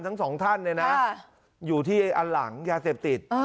ทั้งสองท่านเลยนะค่ะอยู่ที่อันหลังยาเสพติดเออ